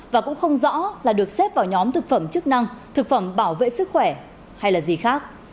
và cũng không rõ là được xếp vào nhóm thực phẩm chức năng thực phẩm bảo vệ sức khỏe hay là gì khác